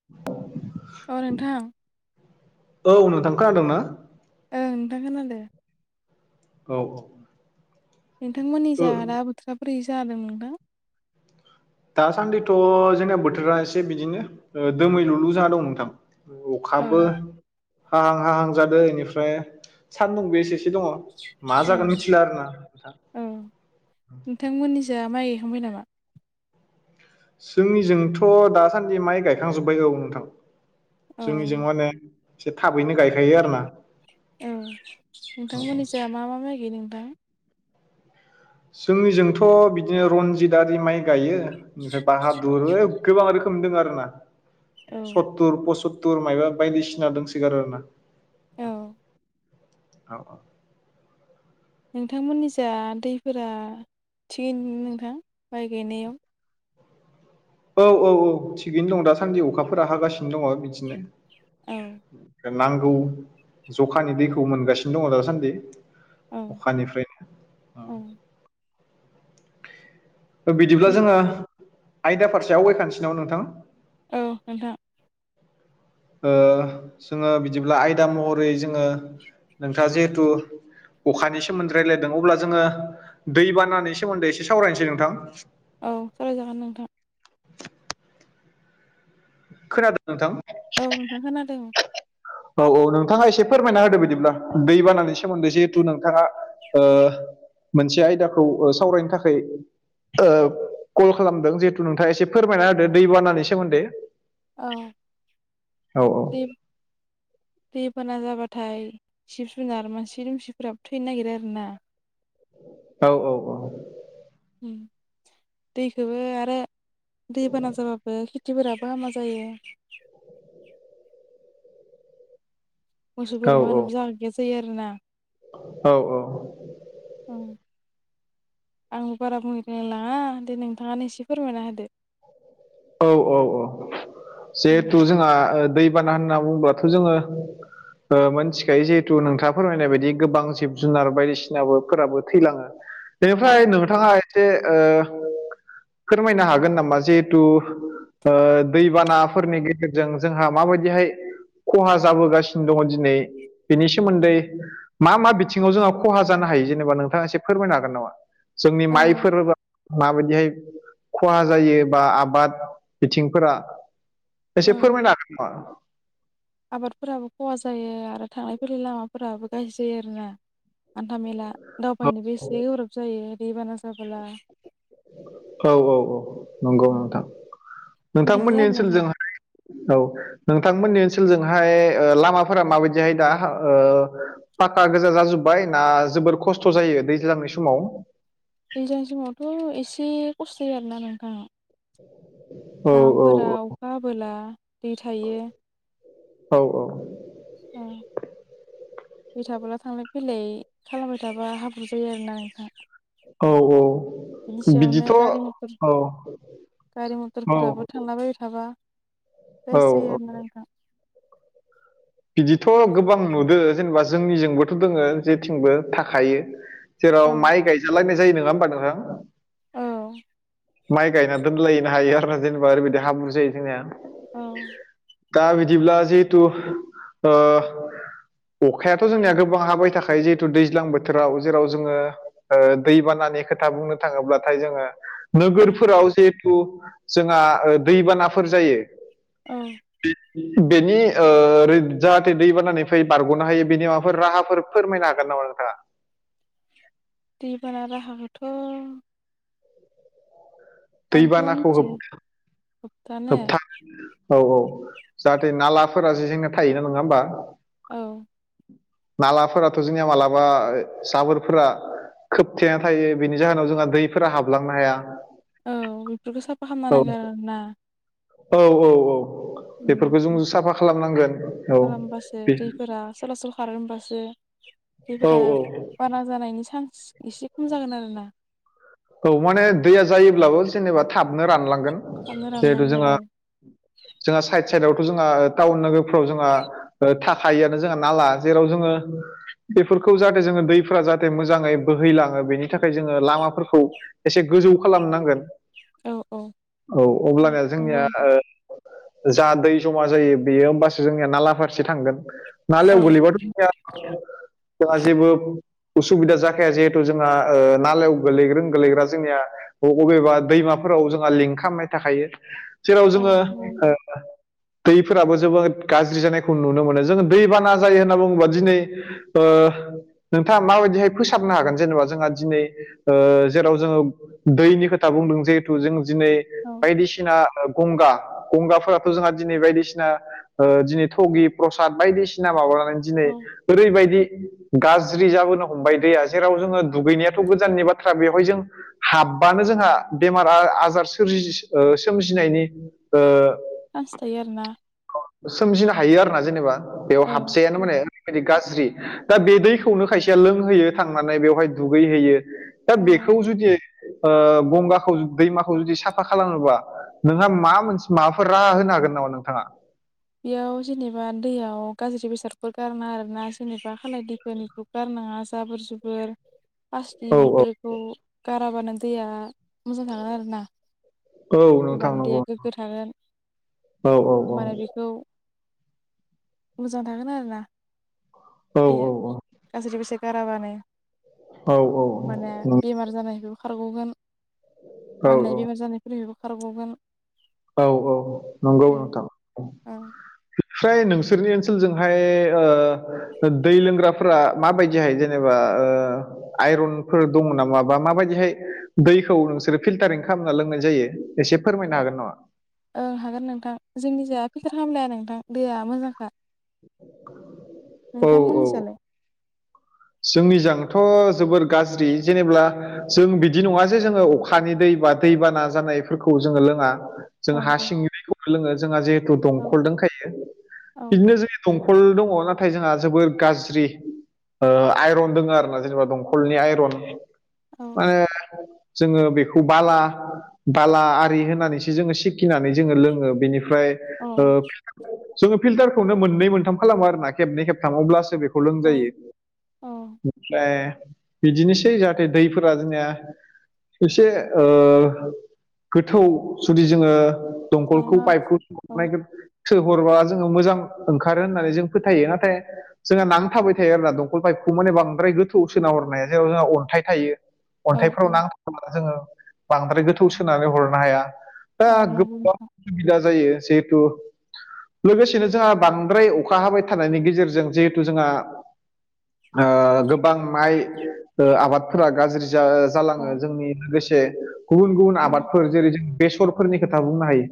[unintelligible] औ नोंथां औ नोंथां खोनादोंना ओं नोंथां खोनादों औ औ नोंथांमोननि जा आ दा बोथोरा बोरै जादोंमोनदां दासान्दिथ' जोंना बोथोरा एसे बिदिनो दोमै लुलु जाना दं नोंथां औ अखाबो हाहां हाहां जादों इनिफ्राय सानदुंबो एसे एसे दङ मा औ जागोन मिथिला आरोना नोंथां औ नोंथांमोननि जा माइ गायखांबाय नामा जोंनिजोंथ' दासान्दि माइ गायखांजोब्बाय औ नोंथां औ जोंनिजों माने एसे थाबैनो गायखायो आरो ना औ नोंथांमोननि जा मा मा माइ गायो नोंथां जोंनिजोंथ' बिदिनो रनजित आरि माइ गायो इनिफ्राय बाहादुर ऐ गोबां रोखोम दं आरो ना औ सत्तुर पसत्तुर मायाबा बायदिसिना दंसोगारो आरोना औ औ औ नोंथांमोननि जा दैफोरा थिगैनो नोंथां माइ गायनायाव औ औ औ थिगैनो दं दासान्दि अखाफोरा हागासिनो दङ बिथिंजाय औ नांगौ जखानि दैखौ मोनगासिनो दङ दासान्दि अखानिफ्राय ओम बिदिब्ला नों जोङो आयदा फारसे आवगायखानोसै नामा नोंथां औ नोंथां जोङो बिदिब्ला आयदा महरै जोङो नोंथाङा जिहेथु अखानि सोमोन्दै रायज्लायदों अब्ला जोङो दैबानानि सोमोन्दै एसे सावरायनोसै नोंथां। औ सरायजागोन नोंथां। खोनादों नोंथां? औ ओमफ्राय खोनादों। औ औ नोंथाङा एसे फोरमायना होदो बिदिब्ला दै बानानि सोमोन्दै जिहेथु नोंथाङा मोनसे आयदाखौ सावरायनो थाखाय कल खालामदों जिहेथु नोंथाङा एसे फोरमायना होदो दैबानानि सोमोन्दै। औ औ दे दैबाना जाबाथाय जिब जुनार मानसि दुमसिफोराबो थैनो नागिरो आरोना औ औ औ ओम दैखोबो आरो दै बाना जाबाबो खेथिफोराबो हामा जायो मोसौ औ बोरमा होनोबबो जागा गैया जायो आरो ना औ औ ओम आंबो बारा बुंनो [unintelligible] लाङा दे नोंथाङानो एसे फोरमायना होदो। औ औ औ ओं जिहेथु जोंहा दैबाना होनना बुङोबथ' जोङो। मोनथिखायो जिहेथु नोंथाङा फोरमायनाय बायदि गोबां जिब जुनार बायदिसिनाबोफोराबो थैलाङो। औ बेनिफ्राय नोंथाङा एसे फोरमायनो हागोन नामा? जिहेथु दैबानाफोरनि गेजेरजों जोंहा माबायदिहाय खहा जाबोगासिनो दङ दिनै बेनि सोमोन्दै मा मा बिथिङाव जोंहा खहा जानो हायो जेनेबा नोंथाङा एसे फोरमायनो हागोन नामा? जोंनि माइफोर माबायदिहाय खहा जायो बा आबाद बिथिंफोरा एसे औ फोरमायनो हागोन नामा? आबादफोराबो खहा जायो आरो थांलाय फैलाय लामाफोराबो गाह्रि जायो आरोना। हान्था मेला दावबायनोबो एसे गोराब जायो दैबाना जाबोला। औ औ औ नंगौ ओम नोंथां बिदिनो नोंथांमोननि आरो नोंहा ओनसोलजोंहाय औ नोंथांमोननि ओनसोलजोंहाय लामाफोरा माबायदिहाय दा? ओ फााखा गोजा जाजोब्बाय ना जोबोर खस्थ' जायो दैज्लांनि समाव? दैज्लां समावथ' एसे खस्थ'य आरोना नोंथाङ। औ लामाफोरा अखा हाबोला दै थायो। औ औ। [unintelligible] बे थाबोला थांलाय फैलाय खालामबाय थाब्ला हाब्रु जायो आरोना नोंथाङ। औ औ। बिनि सायावनो बिदिथ' गारि मर औ औ गारि मथरफोराबो औ थांलाबायबाय थाबा बे औ आरोना नोंथां। बिदिथ' गोबां नुद जेनेबा जोंनिजोंबोथ' दोङो जेथिंबो थाखायो। औ जेराव माइ गायजालायनाय जायो नङा होमबा नोंथां? औ। माइ गायना दोनलायनो हायो आरो ना, ओरैबादि हाब्रु जायो जोंना। औ दा बिदिब्ला जिहथु आ अखायाथ' जोंनिया गोबां हाबाय थाखायो जिहेतु दैज्लां बोथोराव जेराव जोङो दैबानानि खोथा बुंनो थाङोब्लाथाय जोङो औ नोगोरफोराव जिहेथु जोंहा दैबानाफोर जायो। औ। बेनि ओ जाहाथे दै बानानानै फै बारग'नो हायो बेनि माबाफोर राहाफोर फोरमायनो हागोन नामा नोंथाङा? दैबाना राहाखौथ' आंथ' दैबानाखौ मिथियो होबथ होबथानो औ औ जाहाथे नालाफोरा जे जेंना थायोना नङा होमबा? औ नालाफोराथ' जोंनिया मालाबा जाबोरफोरा खोबथेना थायो बेनि जाहोनाव जोंहा दैफोरा हाबलांनो हाया। औ बेफोरखौ साफा खालामनो औ नांगो आरो आर ना। औ औ औ। उम बेफोरखौ जों बिदि साफा खालामनांगोन औ खालामबासो बे दैफोरा सलासल खारो होमबासो औ औ औ। बारा जानायनि चान्स एसे खम जागोन आरो ना। औ माने दैया जायोब्लाबो जेनेबा थाबनो रानलांगोन खालामनो जिहेथु रानलांगोन जोङो औ जोंहा साइद साइदावथ' जोंहा टाउन नोगोरफ्राव जोंहा ओं थायोआानो जोंहा नाला जेराव जोङो बेफोरखौ जाहाथे जोङो दैफोरा जाहाथे मोजाङै बोहैलाङो बेनि थाखाय जोङो लामाफोरखौ खौ एसे गोजौ खालामनांगोन औ औ औ अब्लाना नंगौ जोंनिया नोंथां ओ जा दै जमा जायो बेयो होमबासो जोंनिया नाला फारसे थांगोन। नालाय औ [unintelligible] जोंहा जेबो उसुबिदा जाखाया जिहेथु जोंहा ओ-नालायाव गोग्लैग्रो गोलैग्रा जोंनिया बबेबा दैमाफोराव जोंहा लिंक खालामनाय थाखायो। जेराव औ जोङो नंगौ नोंथां ओ- दैफोराबो जोबोद गाज्रि जानायखौ नुनो मोनो जोङो दैबाना जायो होनना बुङोबा दिनै ओ-नोंथाङा माबायदिहाय फोसाबनो हागोन जेनेबा जोंहा दिनै ओ- जेराव जोङो दैनि खोथा बुंदों जिहेथु जों दिनै औ। बायदिसिना ओ-गंगा गंगाफोराथ' जोंहा दिनै बायदिसिना ओ-दिनै थगि प्रसाद बायदिसिना माबानानै दिनै औ ओरैबायदि गाज्रि जाबोनो हमबाय दैया जेराव जोङो दुगैनायाथ' गोजाननि बाथ्रा बेयाव हाय जों हाब्बानो जोंहा बेमार आजार सोरजि ओ- सोमजिनायनि ओ- सान्स थायो आरो ना। सोमजिनो हायो आरो ना जेनेबा बेयाव औ हाबजायानो माने। बेबायदि गाज्रि दा बे दैखौनो खायसेया लोंहोयो थांनानै बेवहाय दुगैहोयो। दा औ बेखौ जुदि ओ-गंगाखौ दैमाखौ जुदि साफा खालामोबा। नोंहा मा मोनस माबाफोर रा होनो हागोन नामा नोंथाङा? बेयाव जेनेबा दैयाव गाज्रि बेसादफोर गारना आर ना जेनेबा खालाय दैफोन खौ गारनाङा जाबोर जुबोर। पासटि औ बेफोरखौ गाराबानो दैया मोजां थागोन आरोना। औ होमबा नोंथां नंगौ दैया गोग्गो थागोन औ औ होमबानो औ बेखौ मोजां थागोन आरोना औ दैैया गाज्रि बेसाद गाराबानो। औ होमबानिया बेमार जानायखौ खारग'गोन औ माननाय बेमार जानाय फोरनिफ्रायबो खारगगोन। औ औ नंगौ ओं नोंथां। ओं फ्राय नोंसोरनि ओनसोलजोंहाय ओ-दै लोंग्राफोरा माबायदिहाय जेनेबा ओ- आइरनफोर दङ नामा बा माबायदिहाय दैखौ नोंसोरो फिल्टारिं खालामना लोंनाय जायो? एसे फोरमायनो हागोन नामा? ओं हागोन नोंथां जोंनि जाया फिलटार खालामलाया नोंथां दैया मोजांखा। औ औ नोंथांमोननिजालाय? जोंनिजोंथ' जोबोर गाज्रि जेनेबब्ला जों बिदि नङा जे जोङो अखानि दै बा दैबाना जानायफोरखौ जोङो लोङा। औ जों हा सिंनि दैखौबो लोङो जोंहा जिहेतु औ दंखल दंखायो औ बिदिनो जों दंखल दङ नाथाय जोंहा जोबोर गाज्रि। आइरन दङ आरो ना जेनेबा दंखलनि आइरन औ माने जोङो बेखौ बाला बाला आरि होनानैसो जोङो सिखिनानै जोङो लोङो बेनिफ्राय जोङो फिल्टारखौनो मोननै मोनथाम खालामो आरोना खेबनै खेबथामावब्लासो बे सुलों जायो अ ओमफ्राय बिदिनोसै जाहाथे दैफोरा जोंनिया एसे ओ-गोथौ जुदि जोङो औ दंखलखौ ना पाइपखौ औ [unintelligible] सोहरबा जोङो मोजां ओंखारो होननानै जों फोथायो नाथाय जोंहा नां थाबाय थायो आरोना दं अकल पाइपखौ माने बांद्राय गोथौ सोना हरना हाया जेराव जोंहा अन्थाइ थायो औ औ अन्थाइफोराव नां जोङो बांद्राय गोथौ सोनानै हरनो हाया दा औ गो नंगौ नोंथां सुबिदा जायो जिहेथु लोगोसेनो जोंहा बांद्राय अखा हाबाय थानायनि गेजेरजों जिहेथु जोंहा गोबां माय आबादफोरा गाज्रि औ जालाङो जोंनि लोगोसे गुबुन गुबुन औ आबादफोर जेरै जों बेसरफोरनि खोथा बुंनो हायो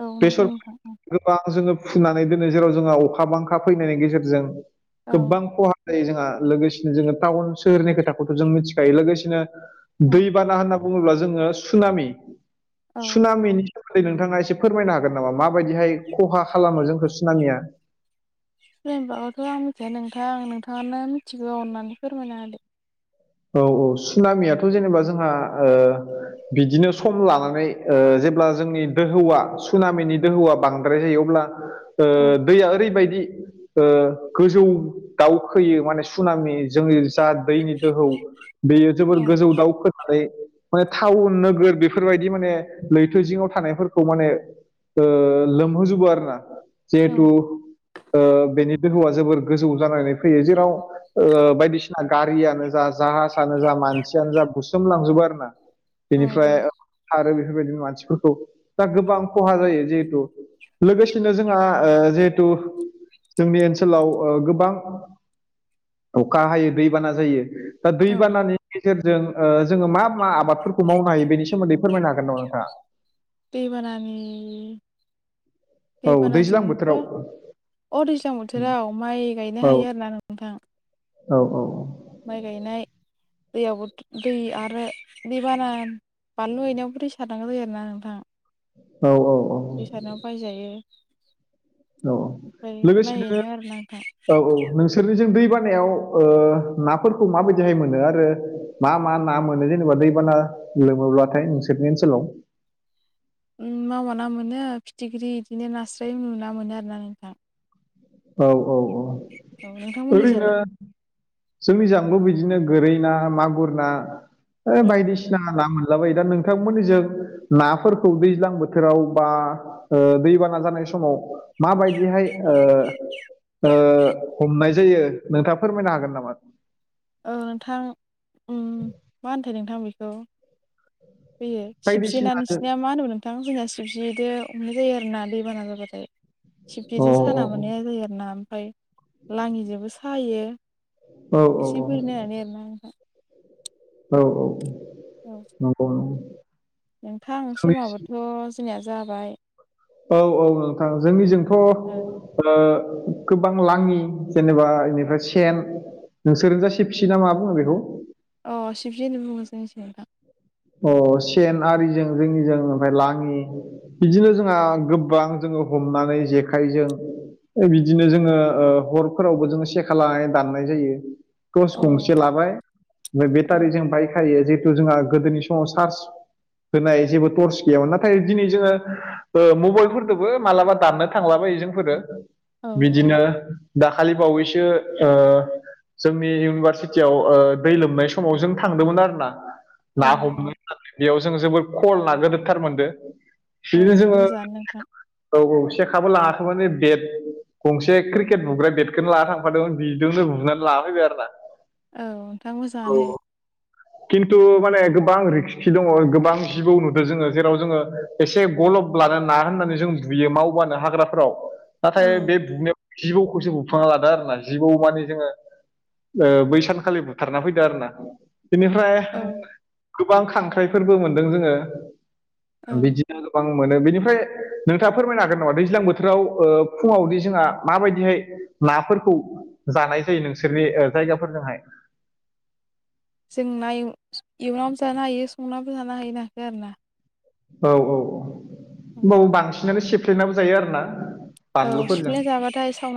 औ नंगौ बेसर नोंथां औ गोबां जोङो फुनानै दोनो जेराव जोंहा अखा बांखा फैनायनि गेजेरजों औ गोबां खहा जोंहा लोगोसेनो जोङो टाउन सोहोरनि खोथाखौथ' जों मिथिखायो लोगोसेनो औ दैबाना होन बुङोब्ला जोङो सामि औ सिनि नोंथाङा एसे फोरमायनो हागोन नामा माबायदिहाय खहा खालामो जोंखौ सिनाामिया [unintelligible] ' आं मिथिया नोंथां नोंथाङानो मिथिगौ होननानै फोरमायना होदे औ औ सुनामियाथ' जेनेबा जोंहा बिदिनो सम लानानै जेब्ला जोंनि दोहौआ सुनामिनि दोहौआ बांद्राय जायो अब्ला [inaudible] ओ दैया ओरैबायदि गोजौ दाउखोयो माने सुनामि जोंनि जा दैनि दोहौ बेयो जोबोर औ गोजौ दाउखोनानै माने टाउन नोगोर बेफोरबायदि माने लैथो जिङाव थानायफोरखौ माने लोमहोजबो आरो ना औ जिहेथु बेनि दहौआ जोबोर गोजौ जानानै फैयो जेराव बायदिसिना गारियानो जा जाहाजानो जा मानसियानो जा बुसोमलांजोबो आरो ना औ बेनिफ्राय औ खारो बेफोरबायदि मानसिफोरखौ दा गोबां खहा जायो जिहेथु लोगोसेनो जोंहा जिहेथु जोंनि ओनसोलाव गोबां अखा हायो दैबाना जायो दा औ दैबानानि गेजेरजों जोङो मा मा आबादफोरखौ मावनो हायो बेनि सोमोन्दै फोरमायनो हागोन नामा नोंथाङा दैबानानि औ दैज्लां बोथोराव दैबानाजोंथ' अ दै्लां बोथोराव माइ औ गायनो हायो आरोोना नोंथां औ औ औ माइ गायनाय दैयावबो दै आरो दै बाना बानलु गनायावबो दै सारनांगौ जायो आरोना नोंथां औ औ औ दैसारनायाव बायजायो औ ओमफ्राय लोगोसेनो बायहैनायाव आरो ना नोंथां औ औ नोंसोरनिजों दै बानायाव नाफोरखौ माबायदिहाय मोनो आरो मा मा ना मोनो जेनेबा दैबाना लोमोब्लाथाय नोंसोरनि ओनसोलाव मावााना मोनो फिथिख्रि बिदिनो नास्राय नुना मोनो आर ना नोंथां औ औ औ औ ओरैनो नोंथांमोननिजालाय जोंनिजाबो बिदिनो गोरै ना मागुर ना बायदिसिना औ बायसिना ना मोनला बायो दा नोंथांमोनिजों नाफोरखौ दैज्लां बोथोराव बा दैबाना जानाय समाव माबायदिहाय हमनाय जायो नोंथाङ फोरमायनो हागोन नामा औ नोंथां उम मा होनथाय नोंथां बेखौ? बे सिबसेना बायदिसिना अ नोंसनिया मा होनोमोन नोंथां जोंना सिबसेदो हमनाय जायो आरोना दैबाना जाबाथाय। अ औ सिरखेजों साना मोननाय जायो आरोना ओमफाय लाङिजोंबो सायो। औ औ एसे ब [inaudible] होननानै आरोना नोंथां। औ औ। औ नंगौ नंगौ नोंथां जोंनि समाबोथ' जोंनिया जाबाय। औ औ नोंथां जोंनिजोंथ' ओ गोबां लाङि जेनेबा बेनिफ्राय सेन नोंसोरो जा फिसि ना मा बुो बेखौ अ सिबजि होन बुङो जोंनिथिं नोंथां अ सेन आरिजों जोंनिजों ओमफ्राय लाङि बिदिनो जोंहा गोबां जोङो हमनानै जेखाइजों बिदिनो जोङो हरफोरावबो जोङो सेखा लानानै दाननाय जायो तस अ गंसे औ लाबाय ओम बेटारि जों बायखायो जिहेतु जोंहा गोदोनि समाव चार्ज होनाय जेबो टर्स गैयामोन नाथाय दिनै जोङो ओ मबाइलफोरदबो मालाबा दाननो थांलाबायो जोंफोरो औ औ बिदिनो। दाखालि बावैसो ओ जोंनि इउनिभारसिटियाव ओ दै लोमनाय समाव जों थांदोंमोन आरोना। औ ना हमनो औ होनानै बेयाव जों जोबोर खल ना गोदोरथार मोनदो। औ बिदिनो जोङो मोजाङानो नोंथां औ औ सेखाबो लाङाखैमोन ओ बेद गंसे क्रिकेट बुग्रा बेटखोनो लाना थांफादोंमोन बिदोंनो बुनान लाना फैबाय आरो ना। औ नोंथां मोजां औ आनो। खिन्थु माने गोब गोबां रिस्कि दङ गोबां जिबौ नुदो जोङो। जेराव जोङो एसे गलब ब्लानो ना होननानै जों बियो मावबानो हाग्राफोराव औ नाथाय बे बुनायाव जिबौखौसो बुफ्लांना लादो आरो ना। जिबौ माने जोङो ओ बैसान खालि बुथारना फैदो आरो ना। बिनिफ्राय औ। गोबां खांख्राइफोरबो मोनदों जोङो। औ बिदि गोबां मोनो। बिनिफ्राय नोंथाङा फोरमायनो हागोन नामा दैज्लां बोथोराव ओ फुङावदि जोंहा मा बायदिहाय नाफोरखौ जानाय जायो नोंसोरनि ओ जायगा फोरजोंहाय? जों ना एव एवनाबो जानो हायो संनाबो जानो हायो नाखो आरो ना। औ औ औ। होमबाबो बांसिनानो सेफ्लेनाबो जायो आरोना। औ सिफ्लेना जाबाथाय साव